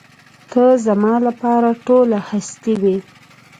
ته زما لپاره ټوله هستي وې.